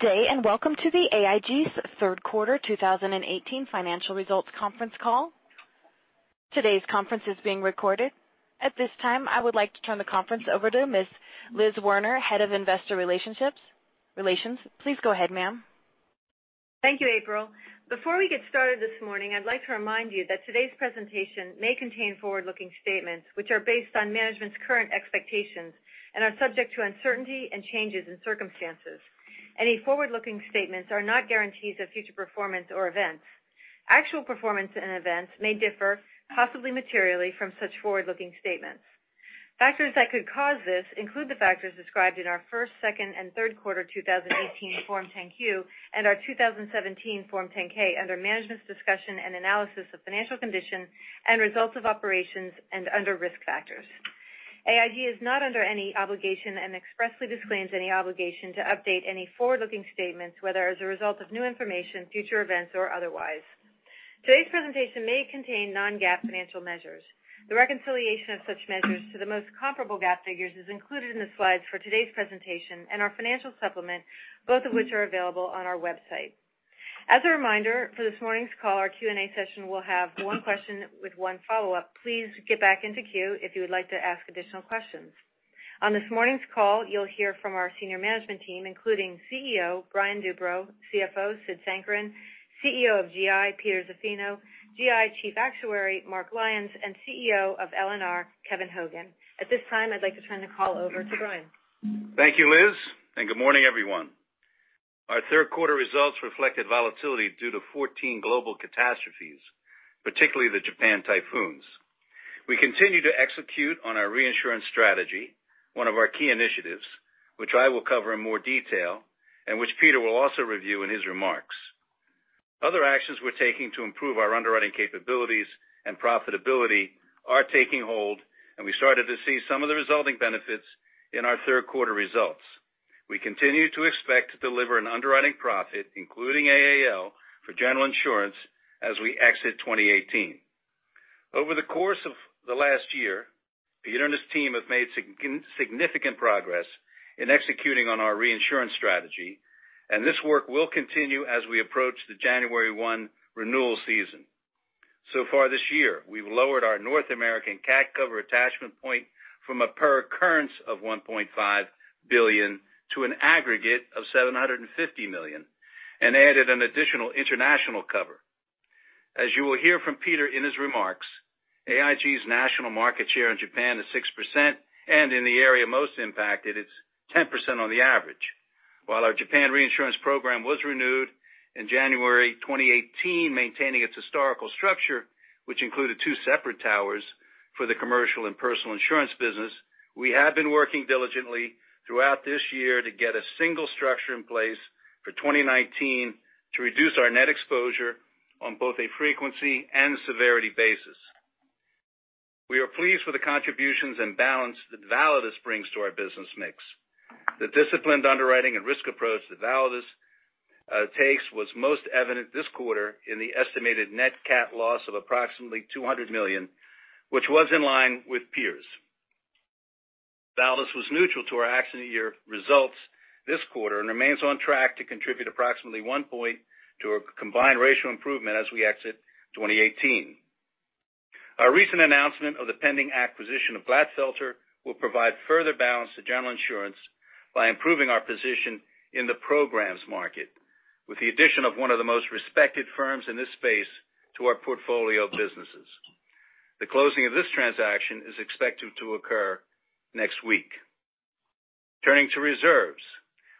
Good day. Welcome to AIG's third quarter 2018 financial results conference call. Today's conference is being recorded. At this time, I would like to turn the conference over to Ms. Liz Werner, Head of Investor Relations. Please go ahead, ma'am. Thank you, April. Before we get started this morning, I'd like to remind you that today's presentation may contain forward-looking statements, which are based on management's current expectations and are subject to uncertainty and changes in circumstances. Any forward-looking statements are not guarantees of future performance or events. Actual performance and events may differ, possibly materially, from such forward-looking statements. Factors that could cause this include the factors described in our first, second, and third quarter 2018 Form 10-Q and our 2017 Form 10-K under Management's Discussion and Analysis of Financial Condition and Results of Operations and under Risk Factors. AIG is not under any obligation and expressly disclaims any obligation to update any forward-looking statements, whether as a result of new information, future events, or otherwise. Today's presentation may contain non-GAAP financial measures. The reconciliation of such measures to the most comparable GAAP figures is included in the slides for today's presentation and our financial supplement, both of which are available on our website. As a reminder, for this morning's call, our Q&A session will have one question with one follow-up. Please get back into queue if you would like to ask additional questions. On this morning's call, you'll hear from our senior management team, including CEO, Brian Duperreault, CFO, Sid Sankaran, CEO of GI, Peter Zaffino, GI Chief Actuary, Mark Lyons, and CEO of L&R, Kevin Hogan. At this time, I'd like to turn the call over to Brian. Thank you, Liz. Good morning, everyone. Our third quarter results reflected volatility due to 14 global catastrophes, particularly the Japan typhoons. We continue to execute on our reinsurance strategy, one of our key initiatives, which I will cover in more detail and which Peter will also review in his remarks. Other actions we're taking to improve our underwriting capabilities and profitability are taking hold, and we started to see some of the resulting benefits in our third quarter results. We continue to expect to deliver an underwriting profit, including AAL, for General Insurance as we exit 2018. Over the course of the last year, Peter and his team have made significant progress in executing on our reinsurance strategy, and this work will continue as we approach the January 1 renewal season. So far this year, we've lowered our North American cat cover attachment point from a per occurrence of $1.5 billion to an aggregate of $750 million and added an additional international cover. As you will hear from Peter Zaffino in his remarks, AIG's national market share in Japan is 6%, and in the area most impacted, it's 10% on the average. While our Japan reinsurance program was renewed in January 2018, maintaining its historical structure, which included two separate towers for the commercial and personal insurance business, we have been working diligently throughout this year to get a single structure in place for 2019 to reduce our net exposure on both a frequency and severity basis. We are pleased with the contributions and balance that Validus brings to our business mix. The disciplined underwriting and risk approach that Validus takes was most evident this quarter in the estimated net cat loss of approximately $200 million, which was in line with peers. Validus was neutral to our accident year results this quarter and remains on track to contribute approximately one point to a combined ratio improvement as we exit 2018. Our recent announcement of the pending acquisition of Glatfelter will provide further balance to General Insurance by improving our position in the programs market. With the addition of one of the most respected firms in this space to our portfolio of businesses. The closing of this transaction is expected to occur next week. Turning to reserves.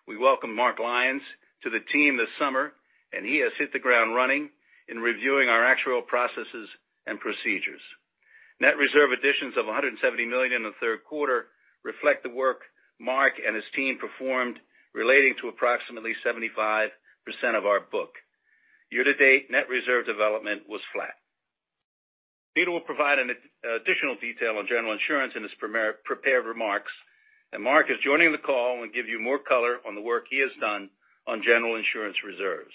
We welcomed Mark Lyons to the team this summer, and he has hit the ground running in reviewing our actuarial processes and procedures. Net reserve additions of $170 million in the third quarter reflect the work Mark Lyons and his team performed relating to approximately 75% of our book. Year to date, net reserve development was flat. Peter Zaffino will provide additional detail on General Insurance in his prepared remarks, and Mark Lyons is joining the call and will give you more color on the work he has done on General Insurance reserves.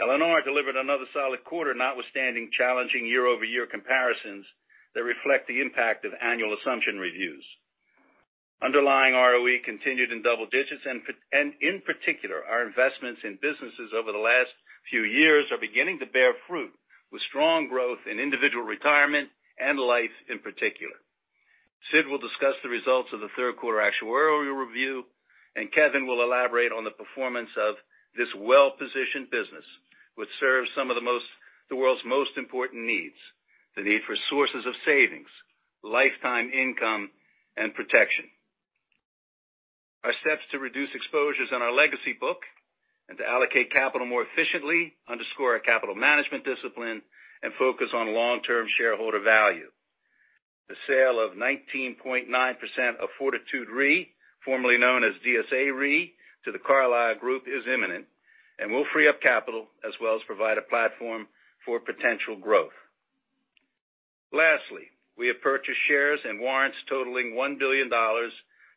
L&R delivered another solid quarter notwithstanding challenging year-over-year comparisons that reflect the impact of annual assumption reviews. Underlying ROE continued in double digits and in particular, our investments in businesses over the last few years are beginning to bear fruit with strong growth in Individual Retirement and life in particular. Sid Sankaran will discuss the results of the third quarter actuarial review, and Kevin Hogan will elaborate on the performance of this well-positioned business, which serves some of the world's most important needs, the need for sources of savings, lifetime income, and protection. Our steps to reduce exposures on our legacy book and to allocate capital more efficiently underscore our capital management discipline and focus on long-term shareholder value. The sale of 19.9% of Fortitude Re, formerly known as DSA Re, to The Carlyle Group is imminent and will free up capital as well as provide a platform for potential growth. Lastly, we have purchased shares and warrants totaling $1 billion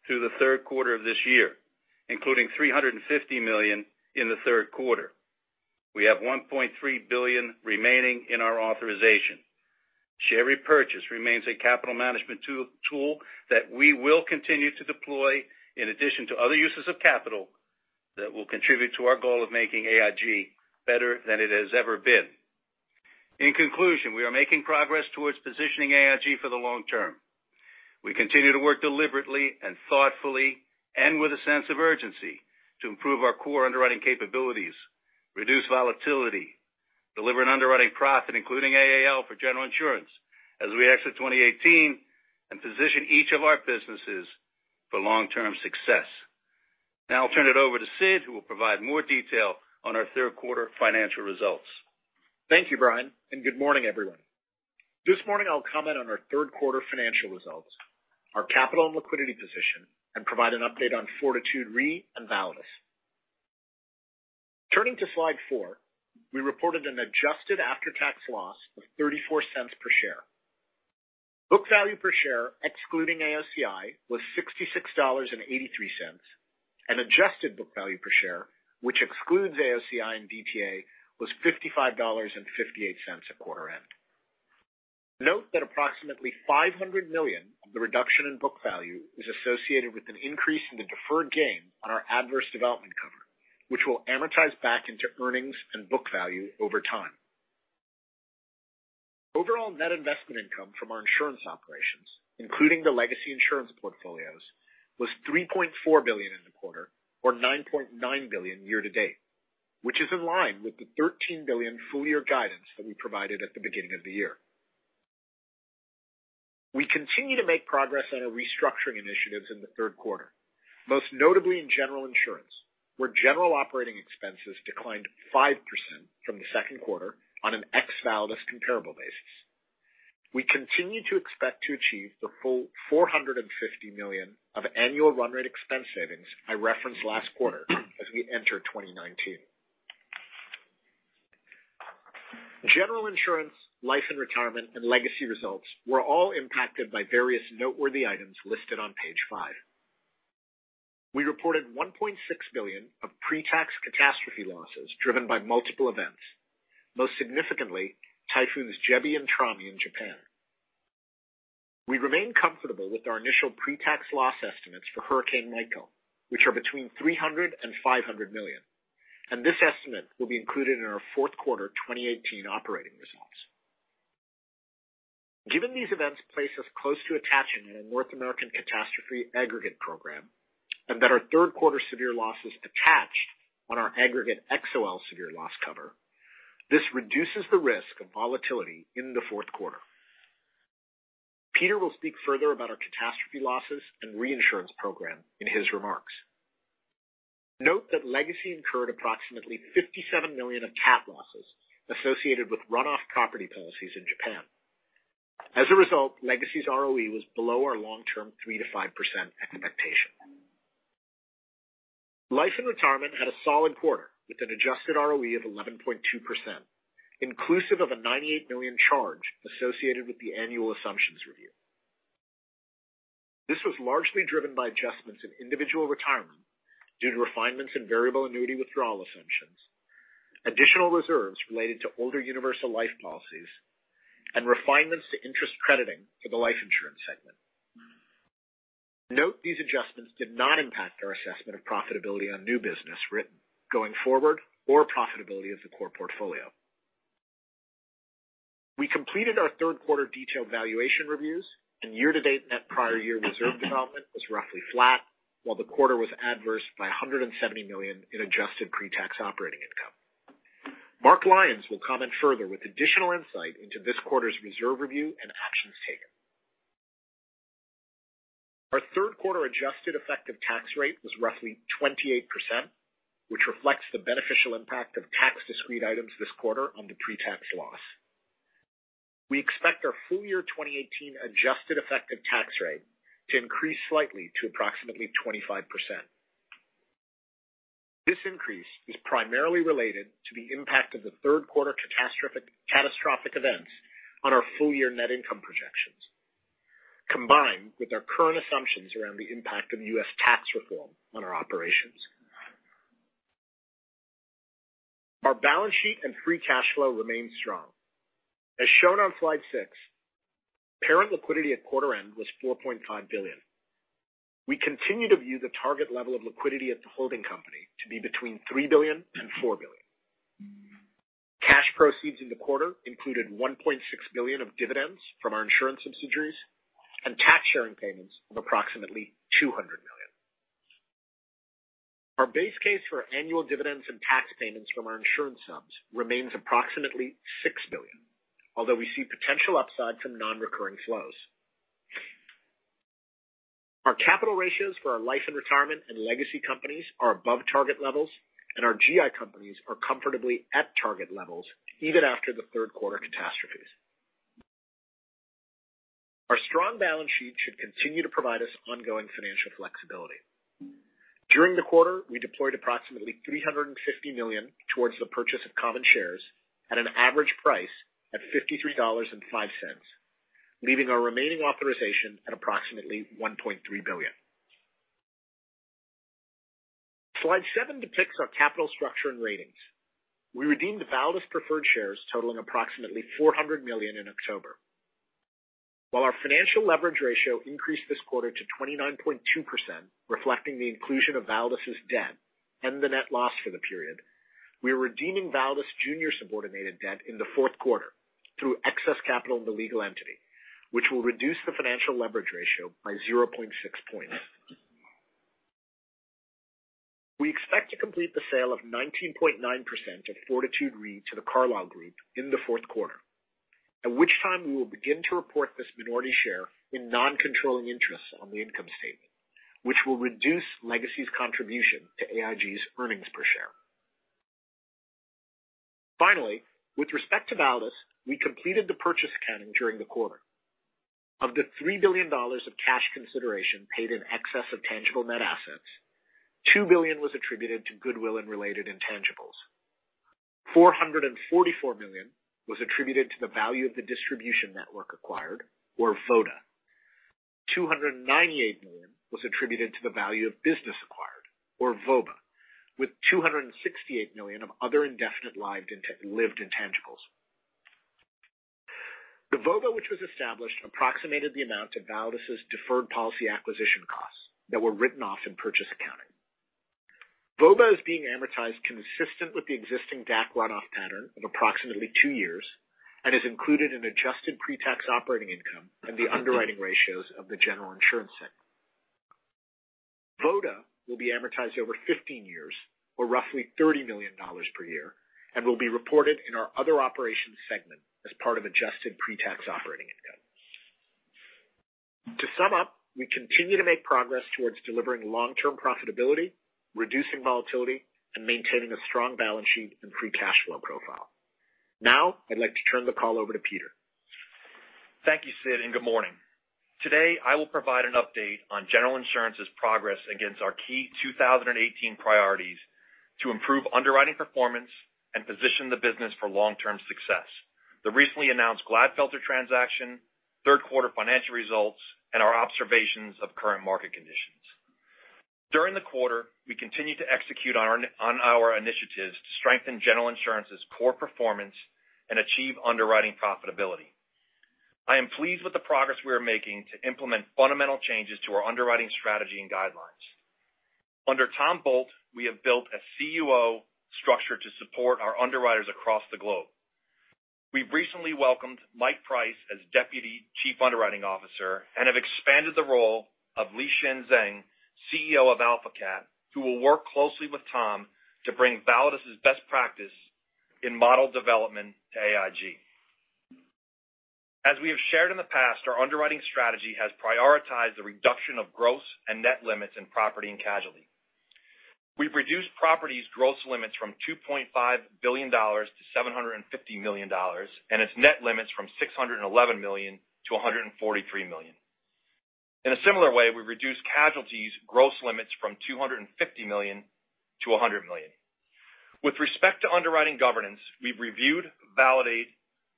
through the third quarter of this year, including $350 million in the third quarter. We have $1.3 billion remaining in our authorization. Share repurchase remains a capital management tool that we will continue to deploy in addition to other uses of capital that will contribute to our goal of making AIG better than it has ever been. In conclusion, we are making progress towards positioning AIG for the long term. We continue to work deliberately and thoughtfully and with a sense of urgency to improve our core underwriting capabilities, reduce volatility, deliver an underwriting profit, including AAL for General Insurance as we exit 2018 and position each of our businesses for long-term success. Now I'll turn it over to Sid, who will provide more detail on our third quarter financial results. Thank you, Brian, and good morning, everyone. This morning, I'll comment on our third quarter financial results, our capital and liquidity position, and provide an update on Fortitude Re and Validus. Turning to slide four, we reported an adjusted after-tax loss of $0.34 per share. Book value per share, excluding AOCI, was $66.83. An adjusted book value per share, which excludes AOCI and DTA, was $55.58 at quarter end. Note that approximately $500 million of the reduction in book value is associated with an increase in the deferred gain on our adverse development cover, which will amortize back into earnings and book value over time. Overall net investment income from our insurance operations, including the legacy insurance portfolios, was $3.4 billion in the quarter or $9.9 billion year-to-date, which is in line with the $13 billion full-year guidance that we provided at the beginning of the year. We continue to make progress on our restructuring initiatives in the third quarter, most notably in General Insurance, where general operating expenses declined 5% from the second quarter on an ex-Validus comparable basis. We continue to expect to achieve the full $450 million of annual run rate expense savings I referenced last quarter as we enter 2019. General Insurance, Life & Retirement, and Legacy results were all impacted by various noteworthy items listed on page five. We reported $1.6 billion of pre-tax catastrophe losses driven by multiple events, most significantly typhoons Jebi and Trami in Japan. We remain comfortable with our initial pre-tax loss estimates for Hurricane Michael, which are between $300 million and $500 million, and this estimate will be included in our fourth quarter 2018 operating results. Given these events place us close to attaching in a North American catastrophe aggregate program, and that our third quarter severe losses attached on our aggregate XOL severe loss cover, this reduces the risk of volatility in the fourth quarter. Peter will speak further about our catastrophe losses and reinsurance program in his remarks. Note that Legacy incurred approximately $57 million of cat losses associated with runoff property policies in Japan. As a result, Legacy's ROE was below our long-term 3%-5% expectation. Life & Retirement had a solid quarter with an adjusted ROE of 11.2%, inclusive of a $98 million charge associated with the annual assumptions review. This was largely driven by adjustments in Individual Retirement due to refinements in variable annuity withdrawal assumptions, additional reserves related to older universal life policies, and refinements to interest crediting for the life insurance segment. Note these adjustments did not impact our assessment of profitability on new business written going forward or profitability of the core portfolio. We completed our third quarter detailed valuation reviews and year-to-date net prior year reserve development was roughly flat while the quarter was adverse by $170 million in adjusted pre-tax operating income. Mark Lyons will comment further with additional insight into this quarter's reserve review and actions taken. Our third quarter adjusted effective tax rate was roughly 28%, which reflects the beneficial impact of tax discrete items this quarter on the pre-tax loss. We expect our full year 2018 adjusted effective tax rate to increase slightly to approximately 25%. This increase is primarily related to the impact of the third quarter catastrophic events on our full year net income projections, combined with our current assumptions around the impact of U.S. tax reform on our operations. Our balance sheet and free cash flow remain strong. As shown on slide six, parent liquidity at quarter end was $4.5 billion. We continue to view the target level of liquidity at the holding company to be between $3 billion and $4 billion. Cash proceeds in the quarter included $1.6 billion of dividends from our insurance subsidiaries and tax sharing payments of approximately $200 million. Our base case for annual dividends and tax payments from our insurance subs remains approximately $6 billion. Although we see potential upside from non-recurring flows. Our capital ratios for our Life & Retirement and legacy companies are above target levels, and our GI companies are comfortably at target levels even after the third quarter catastrophes. Our strong balance sheet should continue to provide us ongoing financial flexibility. During the quarter, we deployed approximately $350 million towards the purchase of common shares at an average price at $53.05, leaving our remaining authorization at approximately $1.3 billion. Slide seven depicts our capital structure and ratings. We redeemed the Validus preferred shares totaling approximately $400 million in October. While our financial leverage ratio increased this quarter to 29.2%, reflecting the inclusion of Validus' debt and the net loss for the period, we are redeeming Validus junior subordinated debt in the fourth quarter through excess capital in the legal entity, which will reduce the financial leverage ratio by 0.6 points. We expect to complete the sale of 19.9% of Fortitude Re to The Carlyle Group in the fourth quarter, at which time we will begin to report this minority share in non-controlling interests on the income statement, which will reduce legacy's contribution to AIG's earnings per share. Finally, with respect to Validus, we completed the purchase accounting during the quarter. Of the $3 billion of cash consideration paid in excess of tangible net assets, $2 billion was attributed to goodwill and related intangibles. $444 million was attributed to the value of the distribution network acquired or VODA. $298 million was attributed to the value of business acquired or VOBA, with $268 million of other indefinite lived intangibles. The VOBA, which was established, approximated the amount of Validus' deferred policy acquisition costs that were written off in purchase accounting. VOBA is being amortized consistent with the existing DAC run-off pattern of approximately two years and is included in adjusted pre-tax operating income and the underwriting ratios of the General Insurance segment. VODA will be amortized over 15 years or roughly $30 million per year and will be reported in our other operations segment as part of adjusted pre-tax operating income. To sum up, we continue to make progress towards delivering long-term profitability, reducing volatility, and maintaining a strong balance sheet and free cash flow profile. Now I'd like to turn the call over to Peter. Thank you, Sid, and good morning. Today, I will provide an update on General Insurance's progress against our key 2018 priorities to improve underwriting performance and position the business for long-term success, the recently announced Glatfelter transaction, third quarter financial results, and our observations of current market conditions. During the quarter, we continued to execute on our initiatives to strengthen General Insurance's core performance and achieve underwriting profitability. I am pleased with the progress we are making to implement fundamental changes to our underwriting strategy and guidelines. Under Tom Bolt, we have built a CUO structure to support our underwriters across the globe. We've recently welcomed Mike Price as Deputy Chief Underwriting Officer and have expanded the role of Lixin Zeng, CEO of AlphaCat, who will work closely with Tom to bring Validus' best practice in model development to AIG. As we have shared in the past, our underwriting strategy has prioritized the reduction of gross and net limits in property and casualty. We've reduced property's gross limits from $2.5 billion to $750 million, and its net limits from $611 million to $143 million. In a similar way, we've reduced casualties' gross limits from $250 million to $100 million. With respect to underwriting governance, we've reviewed, validated,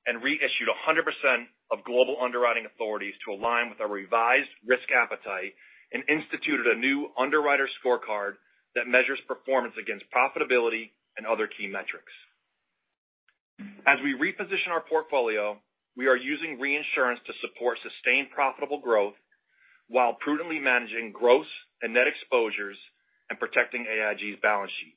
and reissued 100% of global underwriting authorities to align with our revised risk appetite and instituted a new underwriter scorecard that measures performance against profitability and other key metrics. As we reposition our portfolio, we are using reinsurance to support sustained profitable growth while prudently managing gross and net exposures and protecting AIG's balance sheet.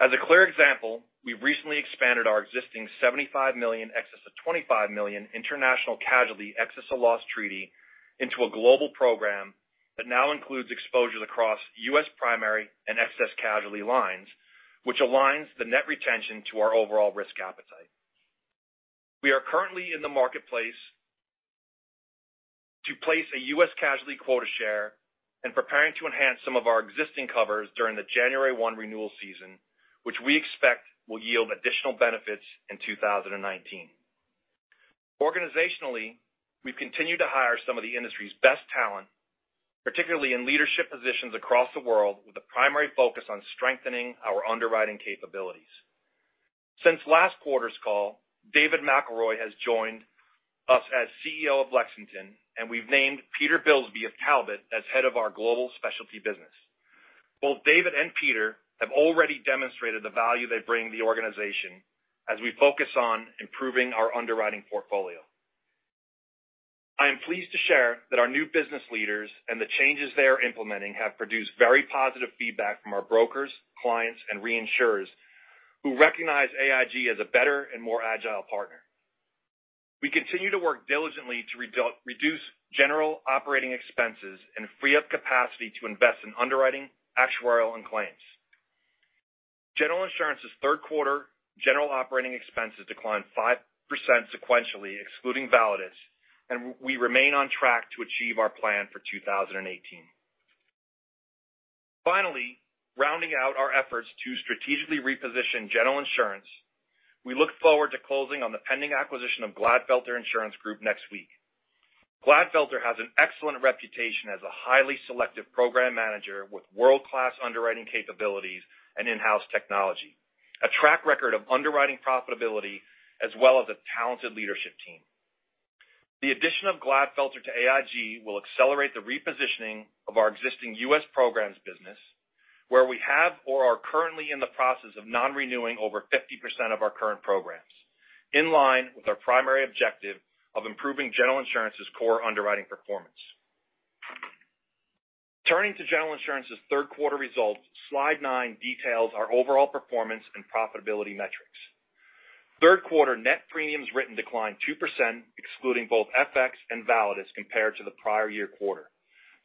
As a clear example, we've recently expanded our existing $75 million excess of $25 million international casualty excess of loss treaty into a global program that now includes exposures across U.S. primary and excess casualty lines, which aligns the net retention to our overall risk appetite. We are currently in the marketplace to place a U.S. casualty quota share and preparing to enhance some of our existing covers during the January 1 renewal season, which we expect will yield additional benefits in 2019. Organizationally, we've continued to hire some of the industry's best talent, particularly in leadership positions across the world, with a primary focus on strengthening our underwriting capabilities. Since last quarter's call, David McElroy has joined us as CEO of Lexington, and we've named Peter Bilsby of Talbot as head of our global specialty business. Both David McElroy and Peter Zaffino have already demonstrated the value they bring to the organization as we focus on improving our underwriting portfolio. I am pleased to share that our new business leaders and the changes they are implementing have produced very positive feedback from our brokers, clients and reinsurers, who recognize AIG as a better and more agile partner. We continue to work diligently to reduce general operating expenses and free up capacity to invest in underwriting, actuarial, and claims. General Insurance's third quarter general operating expenses declined 5% sequentially, excluding Validus, and we remain on track to achieve our plan for 2018. Finally, rounding out our efforts to strategically reposition General Insurance, we look forward to closing on the pending acquisition of Glatfelter Insurance Group next week. Glatfelter has an excellent reputation as a highly selective program manager with world-class underwriting capabilities and in-house technology, a track record of underwriting profitability, as well as a talented leadership team. The addition of Glatfelter to AIG will accelerate the repositioning of our existing U.S. Programs business, where we have or are currently in the process of non-renewing over 50% of our current programs, in line with our primary objective of improving General Insurance's core underwriting performance. Turning to General Insurance's third quarter results, slide nine details our overall performance and profitability metrics. Third quarter net premiums written declined 2%, excluding both FX and Validus compared to the prior year quarter,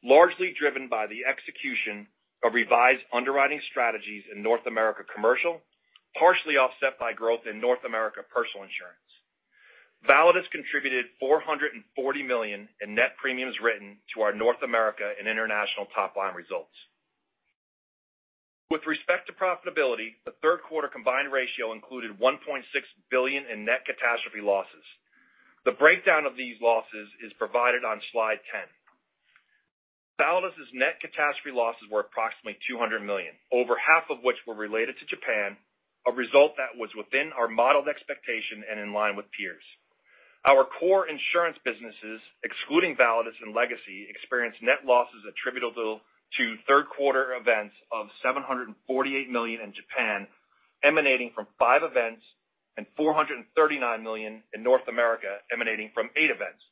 largely driven by the execution of revised underwriting strategies in North America Commercial, partially offset by growth in North America Personal Insurance. Validus contributed $440 million in net premiums written to our North America and International top-line results. With respect to profitability, the third quarter combined ratio included $1.6 billion in net catastrophe losses. The breakdown of these losses is provided on slide 10. Validus's net catastrophe losses were approximately $200 million, over half of which were related to Japan, a result that was within our modeled expectation and in line with peers. Our core insurance businesses, excluding Validus and legacy, experienced net losses attributable to third quarter events of $748 million in Japan, emanating from five events, and $439 million in North America, emanating from eight events,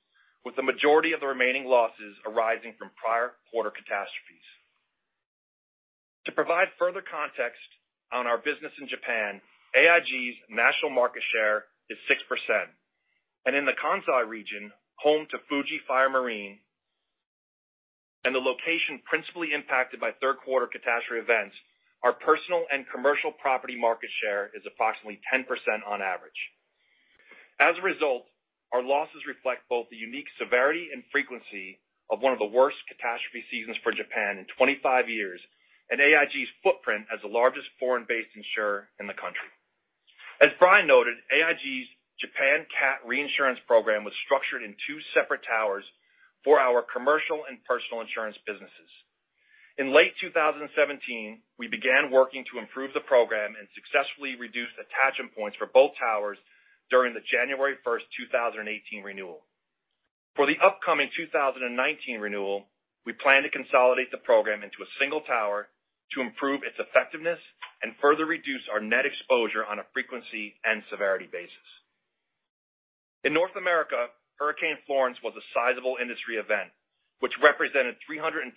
with the majority of the remaining losses arising from prior quarter catastrophes. To provide further context on our business in Japan, AIG's national market share is 6%. In the Kansai region, home to Fuji Fire and Marine Insurance, and the location principally impacted by third quarter catastrophe events, our personal and commercial property market share is approximately 10% on average. As a result, our losses reflect both the unique severity and frequency of one of the worst catastrophe seasons for Japan in 25 years, and AIG's footprint as the largest foreign-based insurer in the country. As Brian noted, AIG's Japan Cat reinsurance program was structured in two separate towers for our commercial and personal insurance businesses. In late 2017, we began working to improve the program and successfully reduced attachment points for both towers during the January 1st, 2018 renewal. For the upcoming 2019 renewal, we plan to consolidate the program into a single tower to improve its effectiveness and further reduce our net exposure on a frequency and severity basis. In North America, Hurricane Florence was a sizable industry event, which represented $325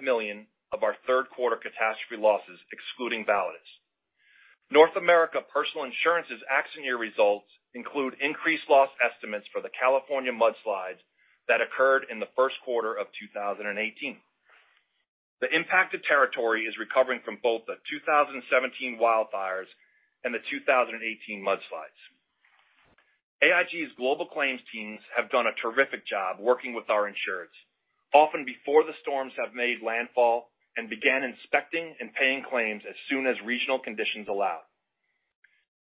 million of our third quarter catastrophe losses, excluding Validus. North America Personal Insurance's accident year results include increased loss estimates for the California mudslides that occurred in the first quarter of 2018. The impacted territory is recovering from both the 2017 wildfires and the 2018 mudslides. AIG's global claims teams have done a terrific job working with our insureds, often before the storms have made landfall, and began inspecting and paying claims as soon as regional conditions allow.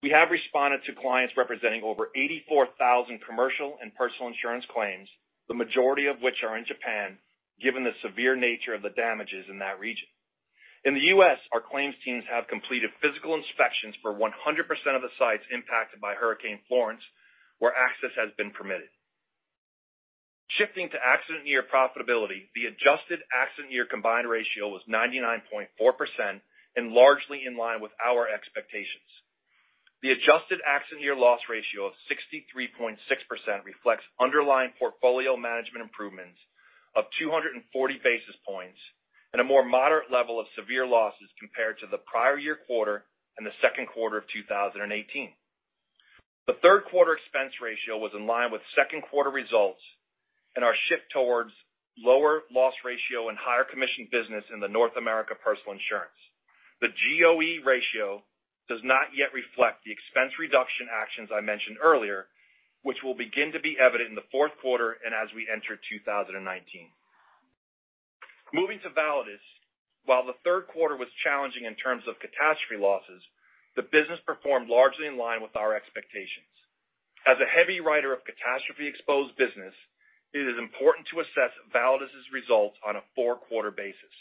We have responded to clients representing over 84,000 commercial and personal insurance claims, the majority of which are in Japan, given the severe nature of the damages in that region. In the U.S., our claims teams have completed physical inspections for 100% of the sites impacted by Hurricane Florence where access has been permitted. Shifting to accident year profitability, the adjusted accident year combined ratio was 99.4% and largely in line with our expectations. The adjusted accident year loss ratio of 63.6% reflects underlying portfolio management improvements of 240 basis points and a more moderate level of severe losses compared to the prior year quarter and the second quarter of 2018. The third quarter expense ratio was in line with second quarter results and our shift towards lower loss ratio and higher commission business in the North America Personal Insurance. The GOE ratio does not yet reflect the expense reduction actions I mentioned earlier, which will begin to be evident in the fourth quarter and as we enter 2019. Moving to Validus. While the third quarter was challenging in terms of catastrophe losses, the business performed largely in line with our expectations. As a heavywriter of catastrophe-exposed business, it is important to assess Validus's results on a four-quarter basis.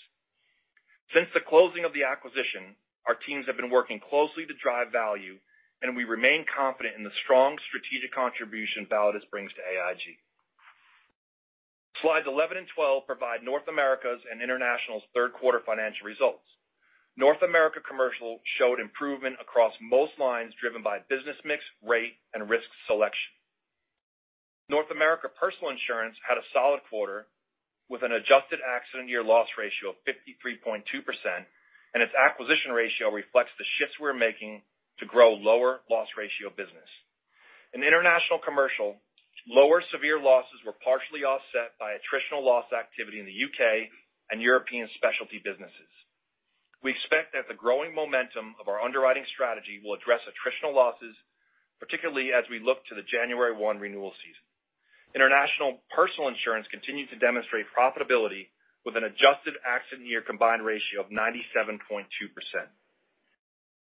Since the closing of the acquisition, our teams have been working closely to drive value, and we remain confident in the strong strategic contribution Validus brings to AIG. Slides 11 and 12 provide North America's and International's third quarter financial results. North America Commercial showed improvement across most lines driven by business mix, rate, and risk selection. North America Personal Insurance had a solid quarter with an adjusted accident year loss ratio of 53.2%, and its acquisition ratio reflects the shifts we're making to grow lower loss ratio business. In International Commercial, lower severe losses were partially offset by attritional loss activity in the U.K. and European specialty businesses. We expect that the growing momentum of our underwriting strategy will address attritional losses, particularly as we look to the January 1 renewal season. International Personal Insurance continued to demonstrate profitability with an adjusted accident year combined ratio of 97.2%.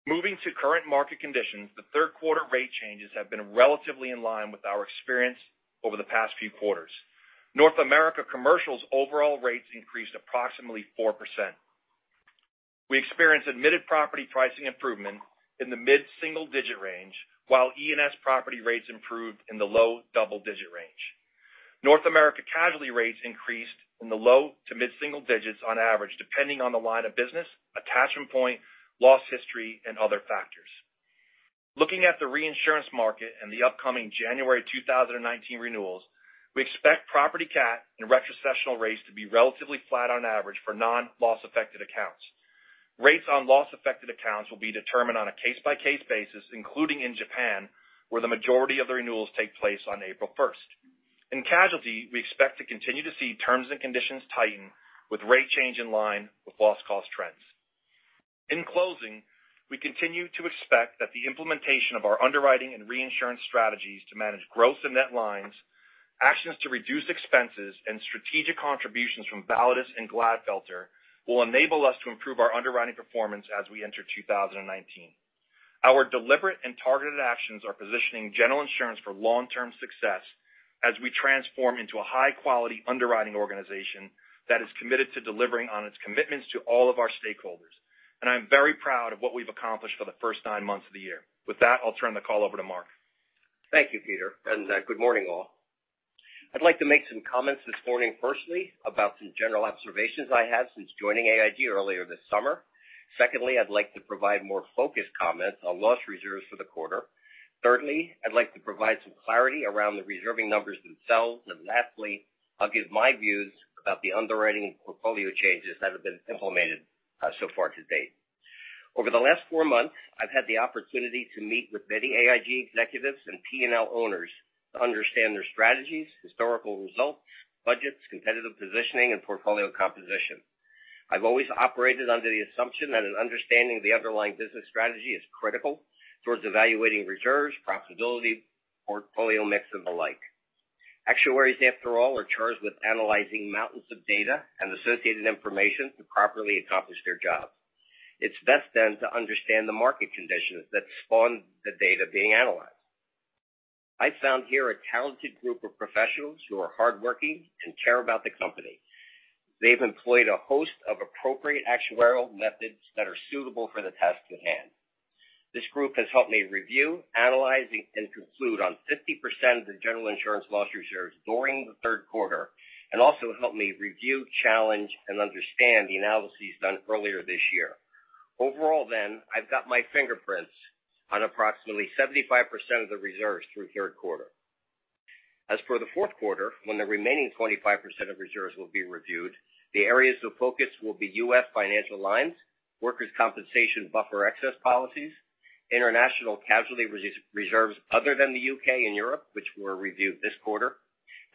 Moving to current market conditions, the third quarter rate changes have been relatively in line with our experience over the past few quarters. North America Commercial's overall rates increased approximately 4%. We experienced admitted property pricing improvement in the mid-single-digit range, while E&S property rates improved in the low double-digit range. North America casualty rates increased in the low to mid-single digits on average, depending on the line of business, attachment point, loss history, and other factors. Looking at the reinsurance market and the upcoming January 2019 renewals, we expect property cat and retrocessional rates to be relatively flat on average for non-loss-affected accounts. Rates on loss-affected accounts will be determined on a case-by-case basis, including in Japan, where the majority of the renewals take place on April 1st. In casualty, we expect to continue to see terms and conditions tighten with rate change in line with loss cost trends. In closing, we continue to expect that the implementation of our underwriting and reinsurance strategies to manage growth in net lines, actions to reduce expenses, and strategic contributions from Validus and Glatfelter will enable us to improve our underwriting performance as we enter 2019. Our deliberate and targeted actions are positioning General Insurance for long-term success as we transform into a high-quality underwriting organization that is committed to delivering on its commitments to all of our stakeholders. I'm very proud of what we've accomplished for the first nine months of the year. With that, I'll turn the call over to Mark. Thank you, Peter, and good morning, all. I'd like to make some comments this morning, firstly, about some general observations I have since joining AIG earlier this summer. Secondly, I'd like to provide more focused comments on loss reserves for the quarter. Thirdly, I'd like to provide some clarity around the reserving numbers themselves. Lastly, I'll give my views about the underwriting portfolio changes that have been implemented so far to date. Over the last four months, I've had the opportunity to meet with many AIG executives and P&L owners to understand their strategies, historical results, budgets, competitive positioning, and portfolio composition. I've always operated under the assumption that an understanding of the underlying business strategy is critical towards evaluating reserves, profitability, portfolio mix, and the like. Actuaries, after all, are charged with analyzing mountains of data and associated information to properly accomplish their job. It's best then to understand the market conditions that spawn the data being analyzed. I found here a talented group of professionals who are hardworking and care about the company. They've employed a host of appropriate actuarial methods that are suitable for the task at hand. This group has helped me review, analyze, and conclude on 50% of the General Insurance loss reserves during the third quarter, and also helped me review, challenge, and understand the analyses done earlier this year. Overall then, I've got my fingerprints on approximately 75% of the reserves through third quarter. As for the fourth quarter, when the remaining 25% of reserves will be reviewed, the areas of focus will be U.S. financial lines, workers' compensation buffer excess policies, international casualty reserves other than the U.K. and Europe, which were reviewed this quarter,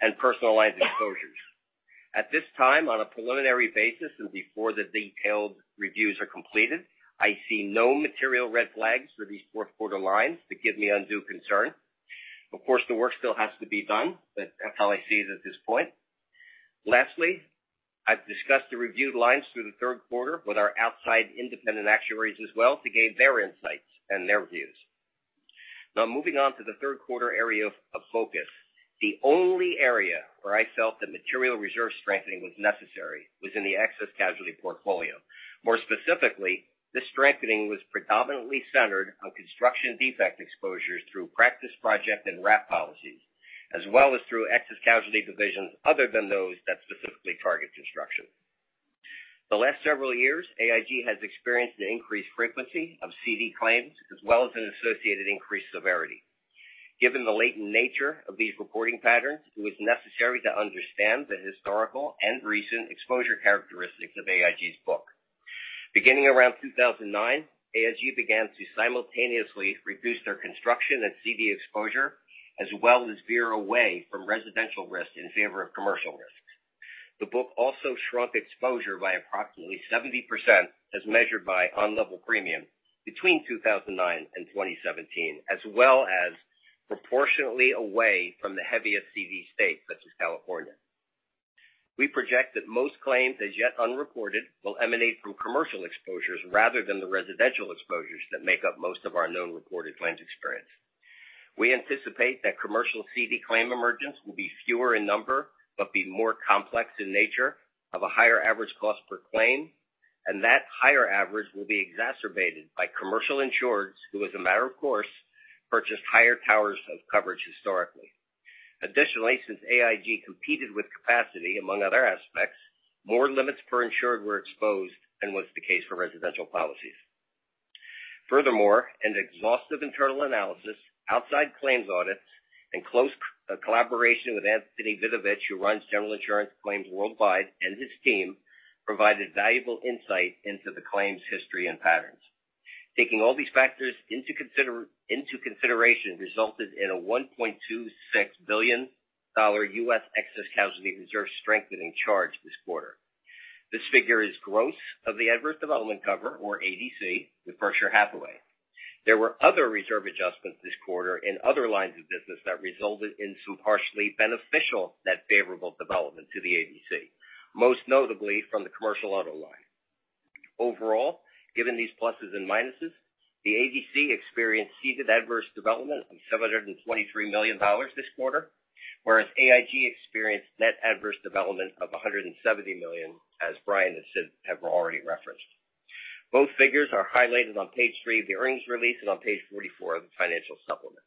and personal lines exposures. At this time, on a preliminary basis and before the detailed reviews are completed, I see no material red flags for these fourth-quarter lines that give me undue concern. Of course, the work still has to be done, but that's how I see it at this point. Lastly, I've discussed the reviewed lines through the third quarter with our outside independent actuaries as well to gain their insights and their views. Moving on to the third quarter area of focus. The only area where I felt that material reserve strengthening was necessary was in the excess casualty portfolio. More specifically, this strengthening was predominantly centered on construction defect exposures through practice project and wrap policies, as well as through excess casualty divisions other than those that specifically target construction. The last several years, AIG has experienced an increased frequency of CD claims as well as an associated increased severity. Given the latent nature of these reporting patterns, it was necessary to understand the historical and recent exposure characteristics of AIG's book. Beginning around 2009, AIG began to simultaneously reduce their construction and CD exposure, as well as veer away from residential risk in favor of commercial risks. The book also shrunk exposure by approximately 70% as measured by on-level premium between 2009 and 2017, as well as proportionately away from the heavier CD states such as California. We project that most claims as yet unreported will emanate from commercial exposures rather than the residential exposures that make up most of our known reported claims experience. We anticipate that commercial CD claim emergence will be fewer in number, but be more complex in nature of a higher average cost per claim, and that higher average will be exacerbated by commercial insureds who as a matter of course, purchased higher towers of coverage historically. Additionally, since AIG competed with capacity, among other aspects, more limits per insured were exposed than was the case for residential policies. Furthermore, an exhaustive internal analysis, outside claims audits, and close collaboration with Anthony Vidovich, who runs General Insurance claims worldwide, and his team, provided valuable insight into the claims history and patterns. Taking all these factors into consideration resulted in a $1.26 billion excess casualty reserve strengthening charge this quarter. This figure is gross of the adverse development cover, or ADC, with Berkshire Hathaway. There were other reserve adjustments this quarter in other lines of business that resulted in some partially beneficial net favorable development to the ADC, most notably from the commercial auto line. Overall, given these pluses and minuses, the ADC experienced seasoned adverse development of $723 million this quarter. Whereas AIG experienced net adverse development of $170 million, as Brian and Sid have already referenced. Both figures are highlighted on page three of the earnings release and on page 44 of the financial supplement.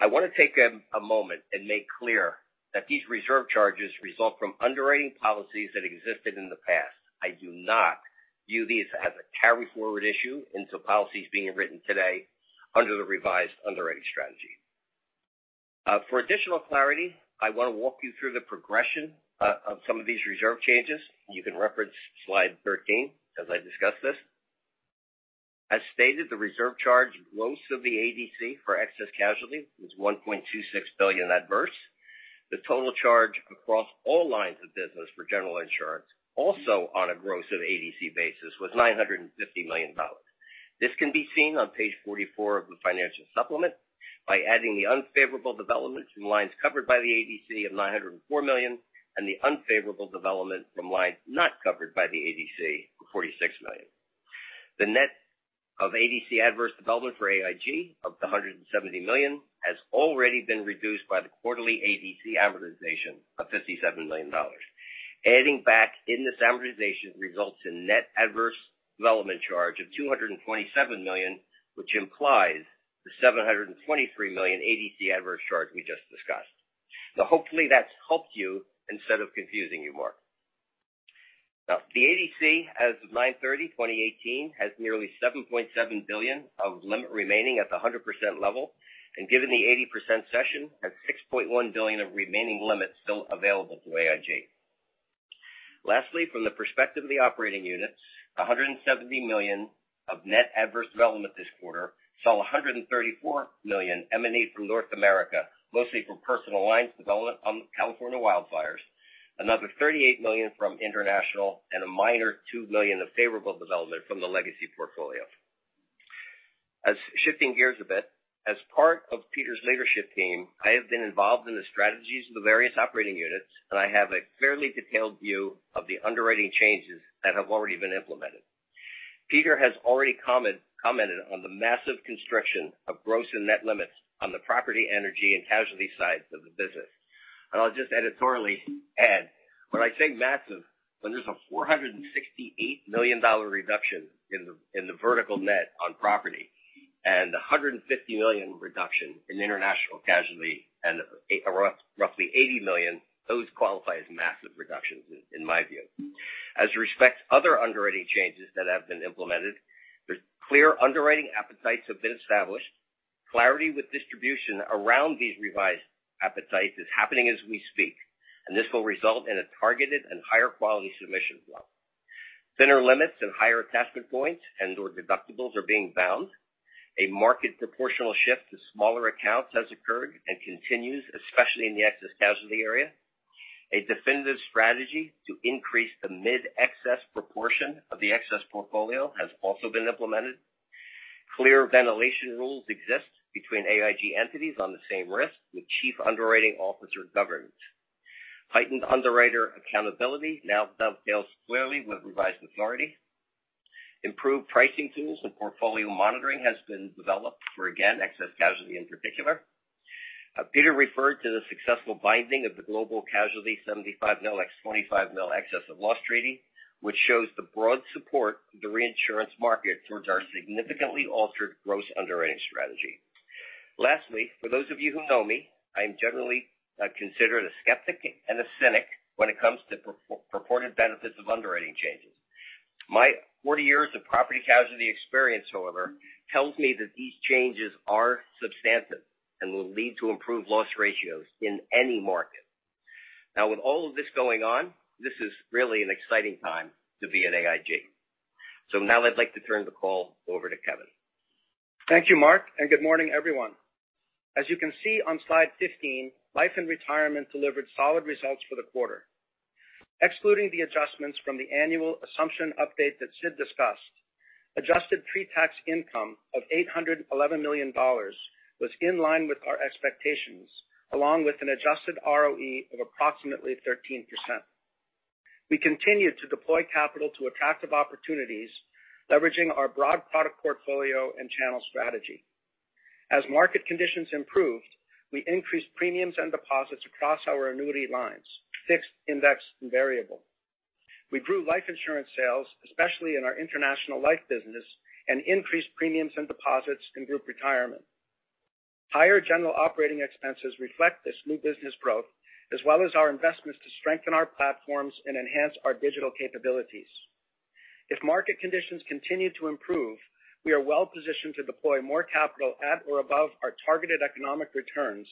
I want to take a moment and make clear that these reserve charges result from underwriting policies that existed in the past. I do not view these as a carry-forward issue into policies being written today under the revised underwriting strategy. For additional clarity, I want to walk you through the progression of some of these reserve changes. You can reference slide 13 as I discuss this. As stated, the reserve charge gross of the ADC for excess casualty was $1.26 billion adverse. The total charge across all lines of business for General Insurance, also on a gross of ADC basis, was $950 million. This can be seen on page 44 of the financial supplement by adding the unfavorable development from lines covered by the ADC of $904 million and the unfavorable development from lines not covered by the ADC of $46 million. The net of ADC adverse development for AIG of the $170 million has already been reduced by the quarterly ADC amortization of $57 million. Adding back in this amortization results in net adverse development charge of $227 million, which implies the $723 million ADC adverse charge we just discussed. Hopefully, that's helped you instead of confusing you more. The ADC as of 9/30/2018, has nearly $7.7 billion of limit remaining at the 100% level, and given the 80% session, has $6.1 billion of remaining limits still available to AIG. Lastly, from the perspective of the operating units, $170 million of net adverse development this quarter saw $134 million emanate from North America, mostly from personal lines development on California wildfires, another $38 million from international, and a minor $2 million of favorable development from the legacy portfolio. Shifting gears a bit. As part of Peter's leadership team, I have been involved in the strategies of the various operating units, and I have a fairly detailed view of the underwriting changes that have already been implemented. Peter has already commented on the massive constriction of gross and net limits on the property, energy, and casualty sides of the business. I'll just editorially add, when I say massive, when there's a $468 million reduction in the vertical net on property and the $150 million reduction in international casualty and roughly $80 million, those qualify as massive reductions in my view. As respects other underwriting changes that have been implemented, the clear underwriting appetites have been established. Clarity with distribution around these revised appetites is happening as we speak, and this will result in a targeted and higher quality submission flow. Thinner limits and higher attachment points and/or deductibles are being bound. A market proportional shift to smaller accounts has occurred and continues, especially in the excess casualty area. A definitive strategy to increase the mid-excess proportion of the excess portfolio has also been implemented. Clear ventilation rules exist between AIG entities on the same risk with chief underwriting officer governance. Heightened underwriter accountability now dovetails clearly with revised authority. Improved pricing tools and portfolio monitoring has been developed for, again, excess casualty in particular. Peter referred to the successful binding of the global casualty $75 million x $25 million excess of loss treaty, which shows the broad support of the reinsurance market towards our significantly altered gross underwriting strategy. For those of you who know me, I'm generally considered a skeptic and a cynic when it comes to purported benefits of underwriting changes. My 40 years of property casualty experience, however, tells me that these changes are substantive and will lead to improved loss ratios in any market. With all of this going on, this is really an exciting time to be at AIG. I'd like to turn the call over to Kevin. Thank you, Mark, and good morning, everyone. As you can see on slide 15, Life and Retirement delivered solid results for the quarter. Excluding the adjustments from the annual assumption update that Sid discussed, adjusted pre-tax income of $811 million was in line with our expectations, along with an adjusted ROE of approximately 13%. We continued to deploy capital to attractive opportunities, leveraging our broad product portfolio and channel strategy. As market conditions improved, we increased premiums and deposits across our annuity lines, fixed, index, and variable. We grew life insurance sales, especially in our international life business, and increased premiums and deposits in Group Retirement. Higher general operating expenses reflect this new business growth, as well as our investments to strengthen our platforms and enhance our digital capabilities. If market conditions continue to improve, we are well-positioned to deploy more capital at or above our targeted economic returns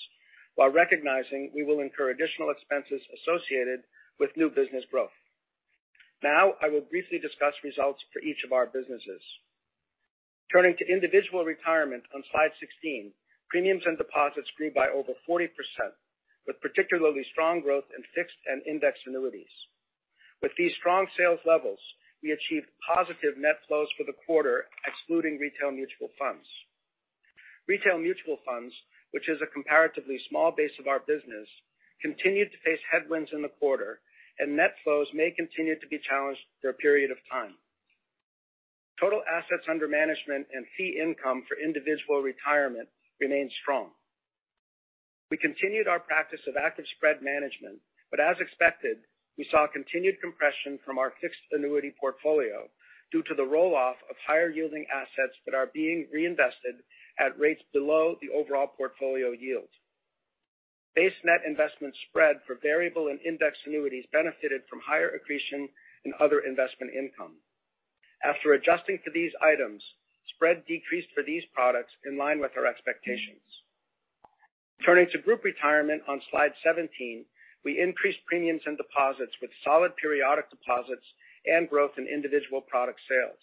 while recognizing we will incur additional expenses associated with new business growth. Now, I will briefly discuss results for each of our businesses. Turning to Individual Retirement on slide 16, premiums and deposits grew by over 40%, with particularly strong growth in fixed and indexed annuities. With these strong sales levels, we achieved positive net flows for the quarter, excluding retail mutual funds. Retail mutual funds, which is a comparatively small base of our business, continued to face headwinds in the quarter, and net flows may continue to be challenged for a period of time. Total assets under management and fee income for Individual Retirement remains strong. We continued our practice of active spread management, but as expected, we saw continued compression from our fixed annuity portfolio due to the roll-off of higher-yielding assets that are being reinvested at rates below the overall portfolio yield. Base net investment spread for variable and indexed annuities benefited from higher accretion and other investment income. After adjusting for these items, spread decreased for these products in line with our expectations. Turning to Group Retirement on slide 17, we increased premiums and deposits with solid periodic deposits and growth in individual product sales.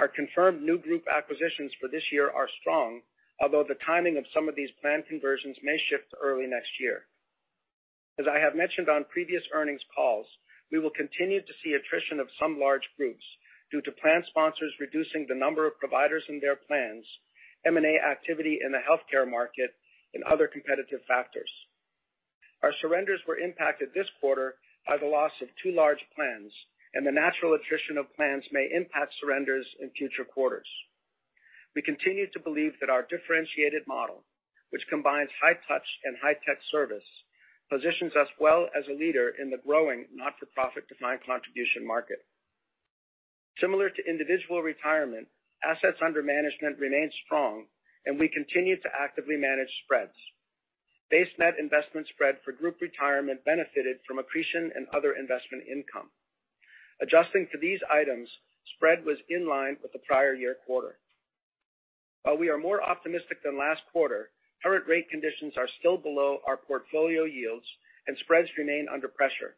Our confirmed new group acquisitions for this year are strong, although the timing of some of these plan conversions may shift to early next year. As I have mentioned on previous earnings calls, we will continue to see attrition of some large groups due to plan sponsors reducing the number of providers in their plans, M&A activity in the healthcare market, and other competitive factors. Our surrenders were impacted this quarter by the loss of two large plans, and the natural attrition of plans may impact surrenders in future quarters. We continue to believe that our differentiated model, which combines high touch and high tech service, positions us well as a leader in the growing not-for-profit defined contribution market. Similar to Individual Retirement, assets under management remain strong, and we continue to actively manage spreads. Base net investment spread for Group Retirement benefited from accretion and other investment income. Adjusting for these items, spread was in line with the prior year quarter. While we are more optimistic than last quarter, current rate conditions are still below our portfolio yields, and spreads remain under pressure.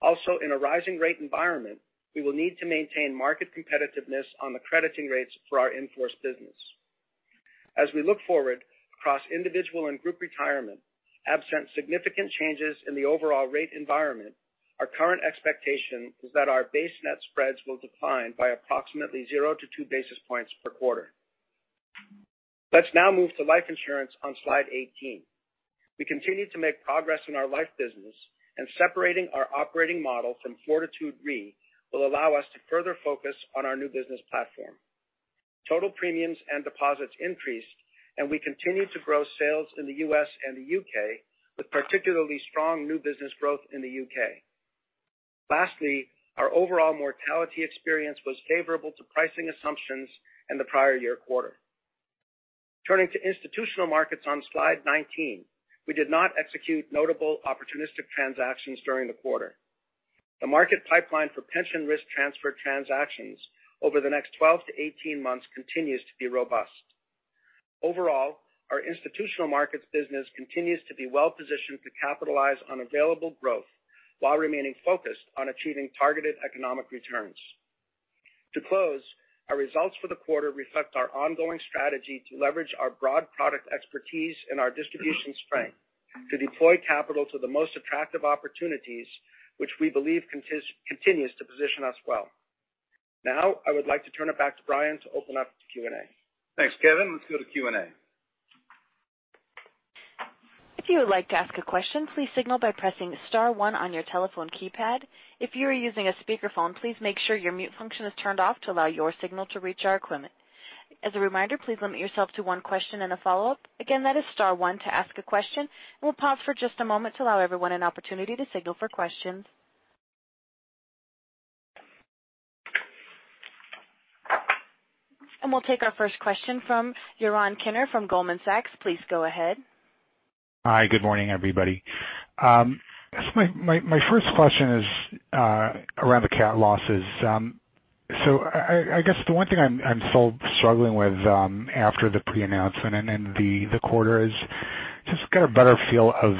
Also, in a rising rate environment, we will need to maintain market competitiveness on the crediting rates for our in-force business. As we look forward across Individual Retirement and Group Retirement, absent significant changes in the overall rate environment, our current expectation is that our base net spreads will decline by approximately zero to two basis points per quarter. Let's now move to Life Insurance on slide 18. We continue to make progress in our life business, and separating our operating model from Fortitude Re will allow us to further focus on our new business platform. Total premiums and deposits increased, and we continue to grow sales in the U.S. and the U.K., with particularly strong new business growth in the U.K. Our overall mortality experience was favorable to pricing assumptions in the prior year quarter. Turning to institutional markets on slide 19, we did not execute notable opportunistic transactions during the quarter. The market pipeline for pension risk transfer transactions over the next 12 to 18 months continues to be robust. Overall, our institutional markets business continues to be well-positioned to capitalize on available growth while remaining focused on achieving targeted economic returns. To close, our results for the quarter reflect our ongoing strategy to leverage our broad product expertise and our distribution strength to deploy capital to the most attractive opportunities, which we believe continues to position us well. I would like to turn it back to Brian to open up to Q&A. Thanks, Kevin. Let's go to Q&A. If you would like to ask a question, please signal by pressing *1 on your telephone keypad. If you are using a speakerphone, please make sure your mute function is turned off to allow your signal to reach our equipment. As a reminder, please limit yourself to one question and a follow-up. Again, that is *1 to ask a question. We'll pause for just a moment to allow everyone an opportunity to signal for questions. We'll take our first question from Yaron Kinar from Goldman Sachs. Please go ahead. Hi. Good morning, everybody. My first question is around the cat losses. I guess the one thing I'm still struggling with after the pre-announcement and the quarter is just get a better feel of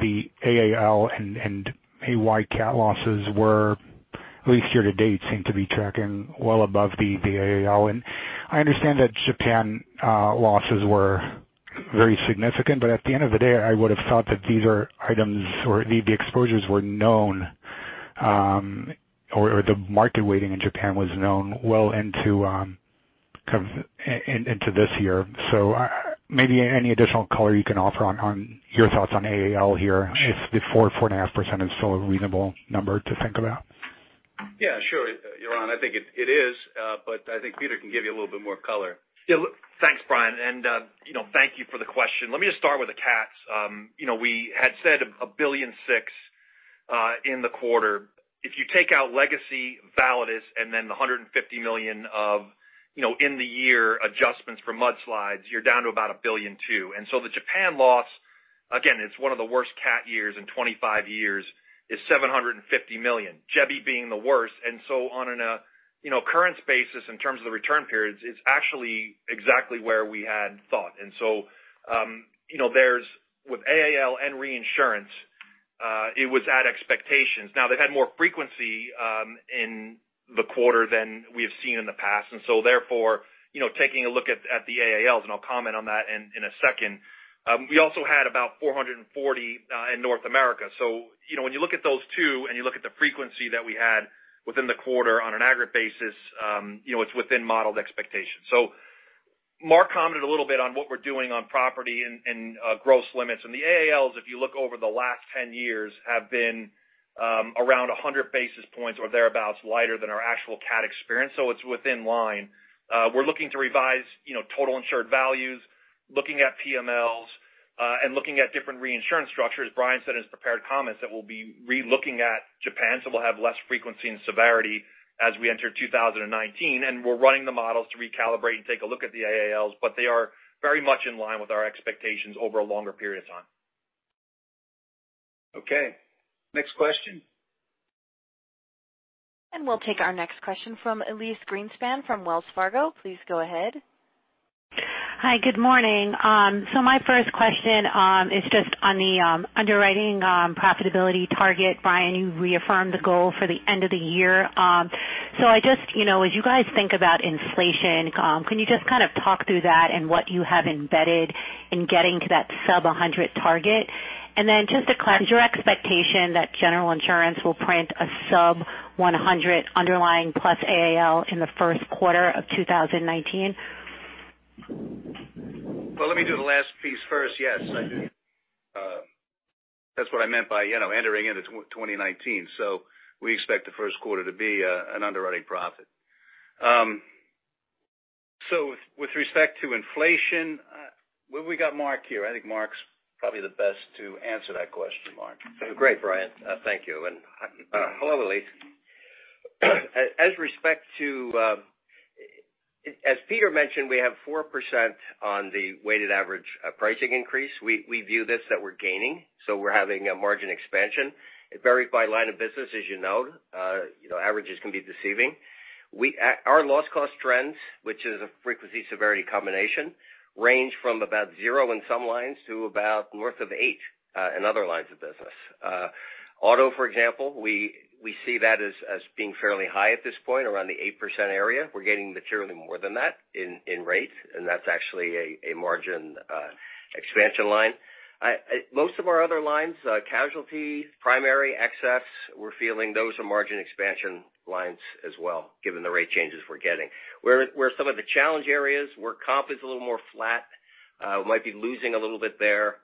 the AAL and AY cat losses were at least year-to-date seem to be tracking well above the AAL. I understand that Japan losses were very significant, but at the end of the day, I would have thought that these are items or the exposures were known, or the market weighting in Japan was known well into this year. Maybe any additional color you can offer on your thoughts on AAL here if the 4%, 4.5% is still a reasonable number to think about. Yeah, sure, Yaron. I think it is, but I think Peter can give you a little bit more color. Yeah. Look, thanks, Brian, and thank you for the question. Let me just start with the cats. We had said $1.6 billion in the quarter. If you take out legacy Validus and then the $150 million of in-the-year adjustments for mudslides, you're down to about $1.2 billion. The Japan loss, again, it's one of the worst cat years in 25 years, is $750 million, Jebi being the worst. On a current basis in terms of the return periods, it's actually exactly where we had thought. With AAL and reinsurance, it was at expectations. Now they've had more frequency in the quarter than we have seen in the past. Therefore, taking a look at the AALs, and I'll comment on that in a second, we also had about $440 in North America. When you look at those two and you look at the frequency that we had within the quarter on an aggregate basis, it's within modeled expectations. Mark commented a little bit on what we're doing on property and gross limits. The AALs, if you look over the last 10 years, have been around 100 basis points or thereabouts lighter than our actual CAT experience, so it's within line. We're looking to revise total insured values, looking at PMLs, and looking at different reinsurance structures. Brian said in his prepared comments that we'll be re-looking at Japan, so we'll have less frequency and severity as we enter 2019. We're running the models to recalibrate and take a look at the AALs, but they are very much in line with our expectations over a longer period of time. Okay. Next question. We'll take our next question from Elyse Greenspan from Wells Fargo. Please go ahead. Hi. Good morning. My first question is just on the underwriting profitability target. Brian, you reaffirmed the goal for the end of the year. As you guys think about inflation, can you just kind of talk through that and what you have embedded in getting to that sub 100 target? Is your expectation that General Insurance will print a sub 100 underlying plus AAL in the first quarter of 2019? Well, let me do the last piece first. Yes. That's what I meant by entering into 2019. We expect the first quarter to be an underwriting profit. With respect to inflation, we got Mark here. I think Mark's probably the best to answer that question. Mark. Great, Brian. Thank you. Hello, Elyse. As Peter mentioned, we have 4% on the weighted average pricing increase. We view this that we're gaining, so we're having a margin expansion. It varies by line of business, as you know. Averages can be deceiving. Our loss cost trends, which is a frequency/severity combination, range from about zero in some lines to about north of eight in other lines of business. Auto, for example, we see that as being fairly high at this point, around the 8% area. We're gaining materially more than that in rates, and that's actually a margin expansion line. Most of our other lines, casualty, primary, excess, we're feeling those are margin expansion lines as well, given the rate changes we're getting. Where some of the challenge areas, where comp is a little more flat, we might be losing a little bit there.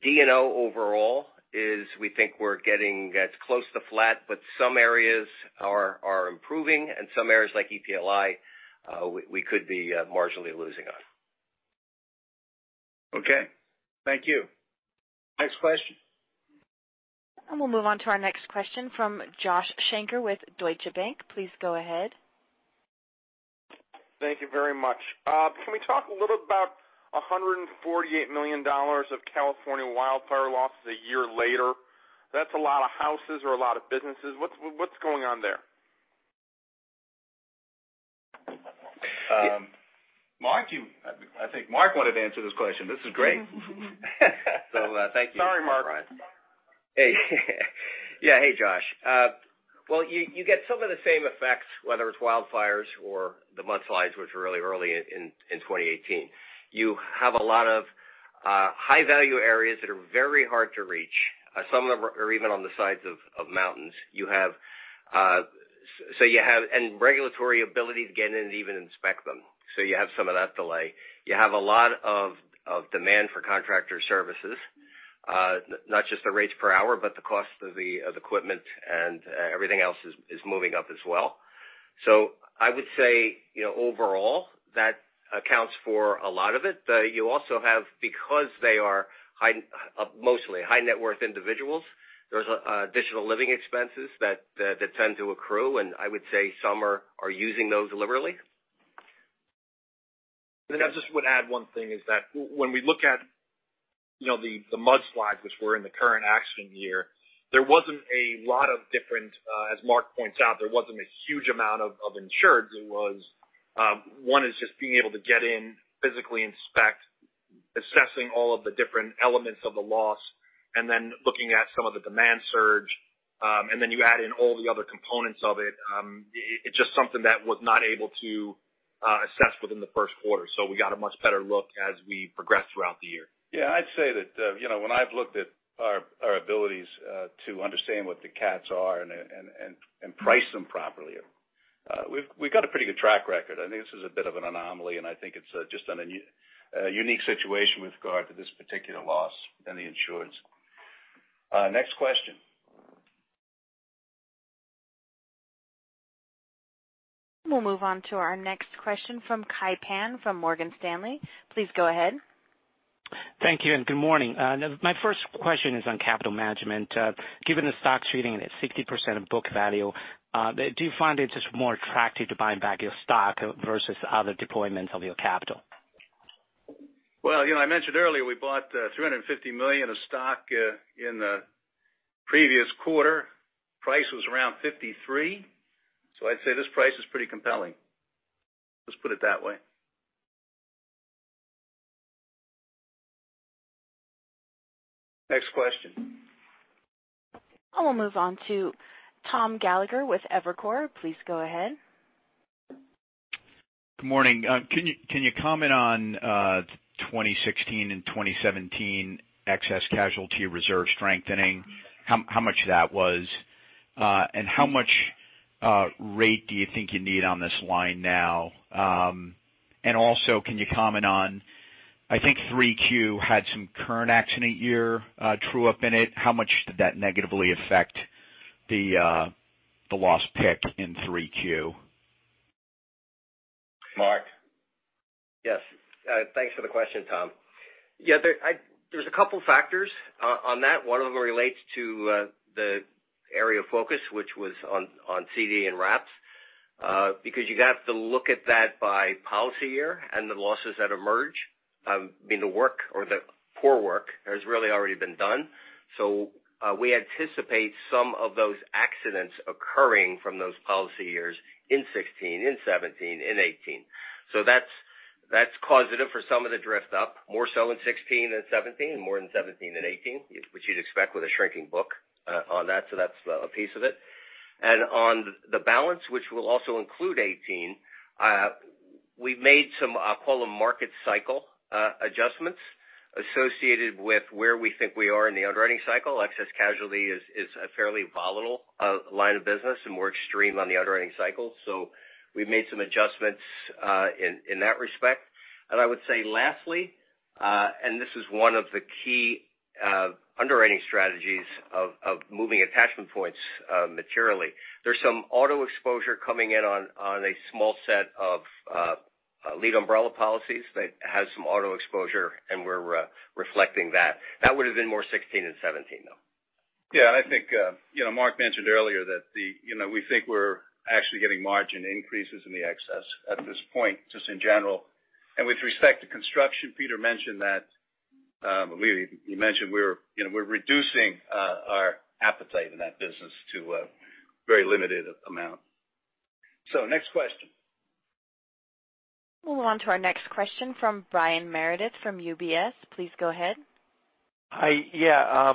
D&O overall is, we think we're getting close to flat, but some areas are improving and some areas like EPLI, we could be marginally losing on. Okay. Thank you. Next question. We'll move on to our next question from Josh Shanker with Deutsche Bank. Please go ahead. Thank you very much. Can we talk a little about $148 million of California wildfire losses a year later? That's a lot of houses or a lot of businesses. What's going on there? Mark, I think Mark wanted to answer this question. This is great. Thank you. Sorry, Mark. Hey, Josh. Well, you get some of the same effects, whether it's wildfires or the mudslides, which were really early in 2018. You have a lot of high-value areas that are very hard to reach. Some are even on the sides of mountains. Regulatory ability to get in and even inspect them. You have some of that delay. You have a lot of demand for contractor services. Not just the rates per hour, but the cost of the equipment and everything else is moving up as well. I would say overall, that accounts for a lot of it. You also have, because they are mostly high-net-worth individuals, there's additional living expenses that tend to accrue, and I would say some are using those deliberately. I just would add one thing, is that when we look at the mudslides, which were in the current accident year, as Mark points out, there wasn't a huge amount of insureds. One is just being able to get in, physically inspect, assessing all of the different elements of the loss, and then looking at some of the demand surge, and then you add in all the other components of it. It's just something that was not able to assess within the first quarter. We got a much better look as we progressed throughout the year. Yeah, I'd say that when I've looked at our abilities to understand what the CATs are and price them properly, we've got a pretty good track record. I think this is a bit of an anomaly, and I think it's just a unique situation with regard to this particular loss and the insureds. Next question. We'll move on to our next question from Kai Pan from Morgan Stanley. Please go ahead. Thank you and good morning. My first question is on capital management. Given the stock's trading at 60% of book value, do you find it just more attractive to buy back your stock versus other deployments of your capital? Well, I mentioned earlier, we bought $350 million of stock in the previous quarter. Price was around $53. I'd say this price is pretty compelling. Let's put it that way. Next question. I will move on to Tom Gallagher with Evercore. Please go ahead. Good morning. Can you comment on 2016 and 2017 excess casualty reserve strengthening, how much that was, and how much rate do you think you need on this line now? Also, can you comment on, I think 3Q had some current accident year true-up in it. How much did that negatively affect the loss pick in 3Q? Mark? Yes. Thanks for the question, Tom. There's a couple factors on that. One of them relates to the area of focus, which was on CD and wraps. Because you have to look at that by policy year and the losses that emerge, the work or the core work has really already been done. We anticipate some of those accidents occurring from those policy years in 2016, in 2017, in 2018. That's causative for some of the drift up, more so in 2016 than 2017, and more in 2017 than 2018, which you'd expect with a shrinking book on that. That's a piece of it. On the balance, which will also include 2018, we've made some, I'll call them market cycle adjustments associated with where we think we are in the underwriting cycle. Excess casualty is a fairly volatile line of business and more extreme on the underwriting cycle. We've made some adjustments in that respect. I would say lastly, this is one of the key underwriting strategies of moving attachment points materially. There's some auto exposure coming in on a small set of lead umbrella policies that has some auto exposure, and we're reflecting that. That would've been more 2016 than 2017, though. I think Mark mentioned earlier that we think we're actually getting margin increases in the excess at this point, just in general. With respect to construction, Peter mentioned that we're reducing our appetite in that business to a very limited amount. Next question. We'll move on to our next question from Brian Meredith from UBS. Please go ahead. Hi. Yeah.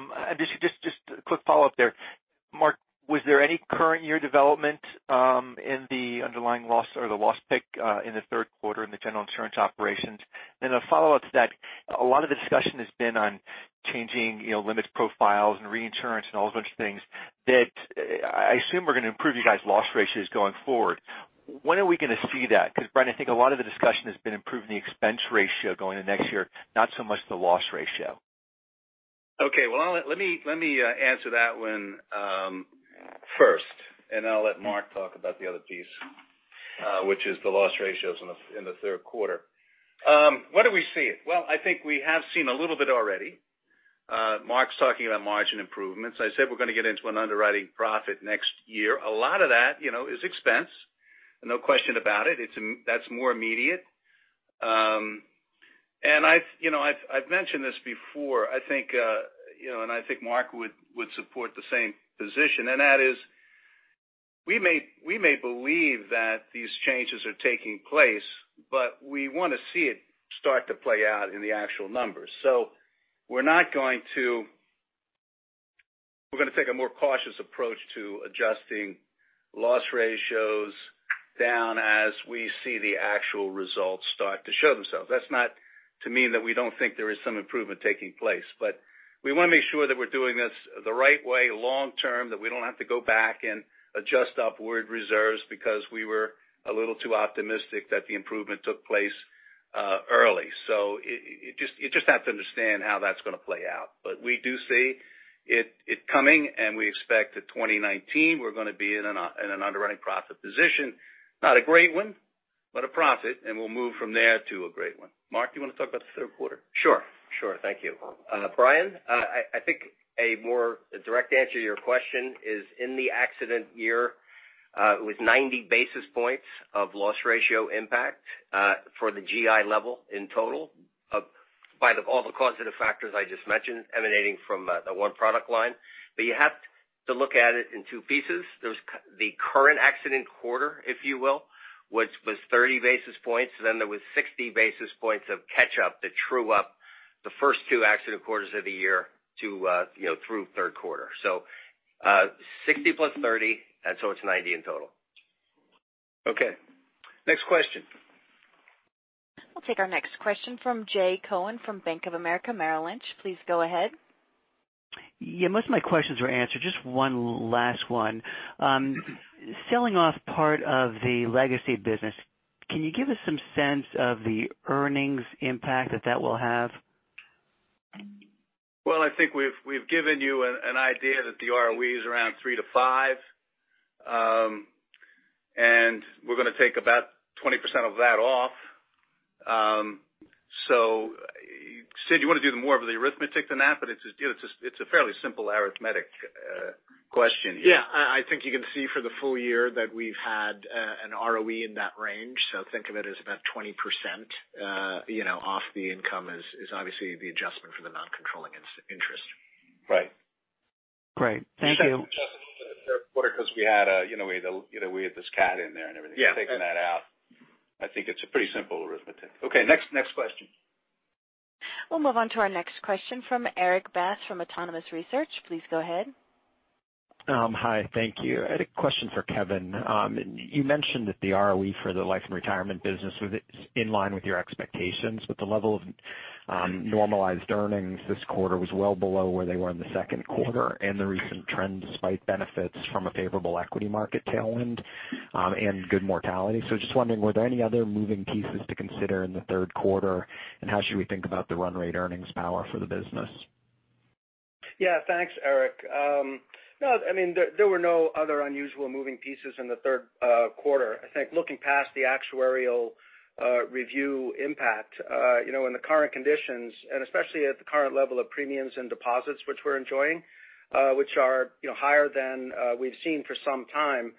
Just a quick follow-up there. Mark, was there any current year development in the underlying loss or the loss pick in the third quarter in the General Insurance operations? A follow-up to that, a lot of the discussion has been on changing limits profiles, and reinsurance, and all those bunch of things that I assume are going to improve you guys' loss ratios going forward. When are we going to see that? Brian, I think a lot of the discussion has been improving the expense ratio going into next year, not so much the loss ratio. Okay. Well, let me answer that one first, and I'll let Mark talk about the other piece, which is the loss ratios in the third quarter. When do we see it? Well, I think we have seen a little bit already. Mark's talking about margin improvements. I said we're going to get into an underwriting profit next year. A lot of that is expense, and no question about it. That's more immediate. I've mentioned this before, and I think Mark would support the same position, and that is, we may believe that these changes are taking place, but we want to see it start to play out in the actual numbers. We're going to take a more cautious approach to adjusting loss ratios down as we see the actual results start to show themselves. That's not to mean that we don't think there is some improvement taking place, but we want to make sure that we're doing this the right way long-term, that we don't have to go back and adjust upward reserves because we were a little too optimistic that the improvement took place early. You just have to understand how that's going to play out. We do see it coming, and we expect that 2019, we're going to be in an underwriting profit position. Not a great one, but a profit, and we'll move from there to a great one. Mark, do you want to talk about the third quarter? Sure. Thank you. Brian, I think a more direct answer to your question is in the accident year, it was 90 basis points of loss ratio impact for the GI level in total by all the causative factors I just mentioned emanating from the one product line. You have to look at it in two pieces. There's the current accident quarter, if you will, which was 30 basis points. There was 60 basis points of catch-up that true up the first two accident quarters of the year through third quarter. 60 plus 30, it's 90 in total. Okay. Next question. We'll take our next question from Jay Cohen from Bank of America Merrill Lynch. Please go ahead. Yeah, most of my questions were answered. Just one last one. Selling off part of the legacy business, can you give us some sense of the earnings impact that that will have? Well, I think we've given you an idea that the ROE is around 3%-5%. We're going to take about 20% of that off. Sid, you want to do the more of the arithmetic than that, but it's a fairly simple arithmetic question here. I think you can see for the full year that we've had an ROE in that range, think of it as about 20% off the income is obviously the adjustment for the non-controlling interest. Right. Great. Thank you. Especially for the third quarter because we had this CAT in there and everything. Yeah. Taking that out, I think it's a pretty simple arithmetic. Next question. We'll move on to our next question from Erik Bass from Autonomous Research. Please go ahead. Hi, thank you. I had a question for Kevin. You mentioned that the ROE for the Life & Retirement business was in line with your expectations, but the level of normalized earnings this quarter was well below where they were in the second quarter and the recent trends, despite benefits from a favorable equity market tailwind and good mortality. Just wondering, were there any other moving pieces to consider in the third quarter, and how should we think about the run rate earnings power for the business? Thanks, Erik. No, there were no other unusual moving pieces in the third quarter. I think looking past the actuarial review impact in the current conditions, and especially at the current level of premiums and deposits which we're enjoying, which are higher than we've seen for some time,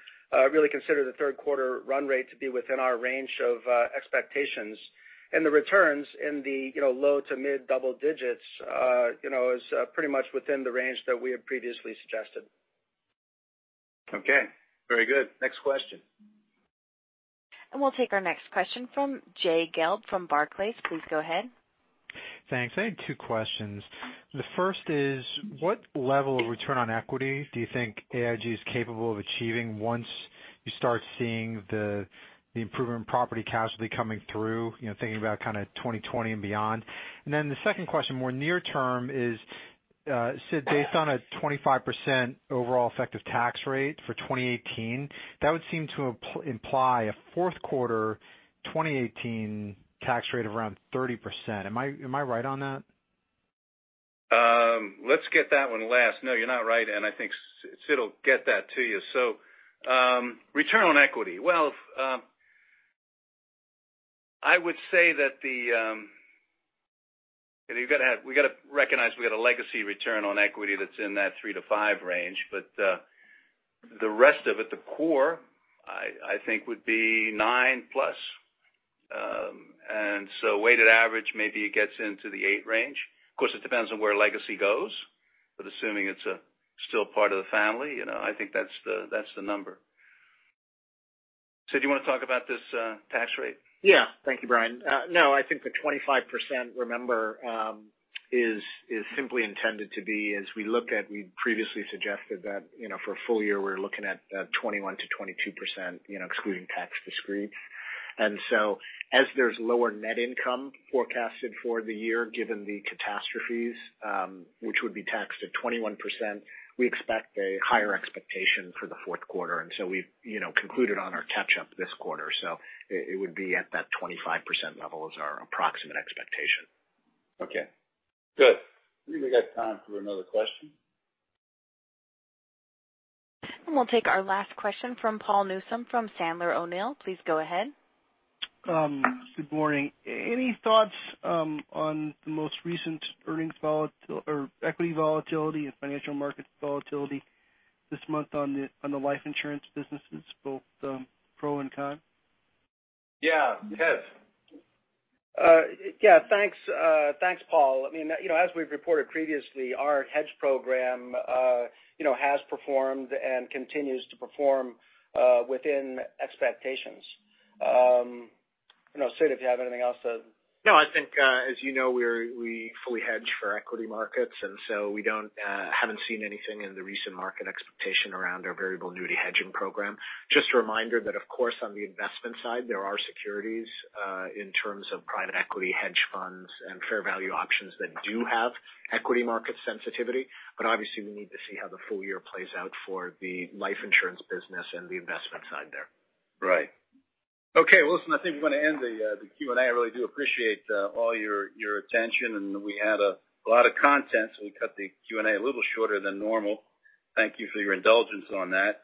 really consider the third quarter run rate to be within our range of expectations. The returns in the low to mid double digits is pretty much within the range that we had previously suggested. Okay, very good. Next question. We'll take our next question from Jay Gelb from Barclays. Please go ahead. Thanks. I had two questions. The first is, what level of return on equity do you think AIG is capable of achieving once you start seeing the improvement in property casualty coming through? Thinking about kind of 2020 and beyond. The second question, more near term is, Sid, based on a 25% overall effective tax rate for 2018, that would seem to imply a fourth quarter 2018 tax rate around 30%. Am I right on that? Let's get that one last. No, you're not right, and I think Sid will get that to you. Return on equity. I would say that we got to recognize we got a legacy return on equity that's in that three to five range. The rest of it, the core, I think would be nine plus. Weighted average, maybe it gets into the eight range. Of course, it depends on where legacy goes, but assuming it's still part of the family, I think that's the number. Sid, do you want to talk about this tax rate? Thank you, Brian. No, I think the 25%, remember, is simply intended to be as we looked at, we previously suggested that for a full year, we're looking at 21%-22% excluding tax discrete. As there's lower net income forecasted for the year, given the catastrophes, which would be taxed at 21%, we expect a higher expectation for the fourth quarter. We've concluded on our catch-up this quarter, so it would be at that 25% level is our approximate expectation. Okay, good. I think we got time for another question. We'll take our last question from Paul Newsome from Sandler O'Neill. Please go ahead. Good morning. Any thoughts on the most recent equity volatility and financial market volatility this month on the life insurance businesses, both pro and con? Yeah, Kev. Yeah. Thanks, Paul. As we've reported previously, our hedge program has performed and continues to perform within expectations. Sid, if you have anything else. No, I think as you know, we fully hedge for equity markets, we haven't seen anything in the recent market expectation around our variable annuity hedging program. Just a reminder that, of course, on the investment side, there are securities in terms of private equity hedge funds and fair value options that do have equity market sensitivity. Obviously, we need to see how the full year plays out for the life insurance business and the investment side there. Right. Okay, listen, I think we're going to end the Q&A. I really do appreciate all your attention, we had a lot of content, we cut the Q&A a little shorter than normal. Thank you for your indulgence on that.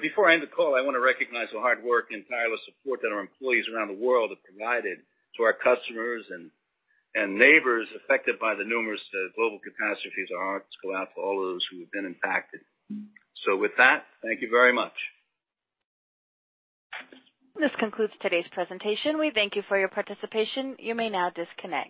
Before I end the call, I want to recognize the hard work and tireless support that our employees around the world have provided to our customers and neighbors affected by the numerous global catastrophes. Our hearts go out to all those who have been impacted. With that, thank you very much. This concludes today's presentation. We thank you for your participation. You may now disconnect.